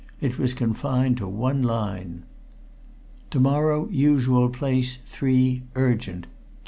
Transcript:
It was confined to one line: To morrow usual place three urgent Q.